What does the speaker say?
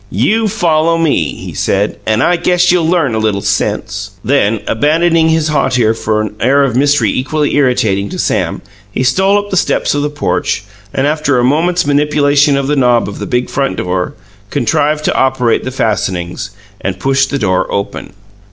"You follow me," he said, "and I guess you'll learn a little sense!" Then, abandoning his hauteur for an air of mystery equally irritating to Sam, he stole up the steps of the porch, and, after a moment's manipulation of the knob of the big front door, contrived to operate the fastenings, and pushed the door open.